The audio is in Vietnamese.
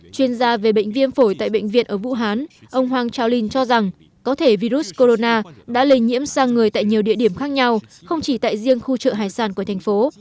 chuyên gia về bệnh viêm phổi tại bệnh viện ở vũ hán ông hoàng trào linh cho rằng có thể virus corona đã lây nhiễm sang người tại nhiều địa điểm khác nhau không chỉ tại riêng khu chợ hải sản của thành phố